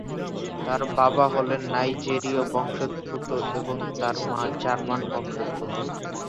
তার বাবা হলেন নাইজেরীয় বংশোদ্ভূত এবং তার মা জার্মান বংশোদ্ভূত।